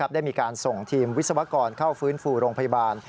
ได้มีการส่งทีมวิศวกรเข้าฟื้นฟูโรงพยาบาล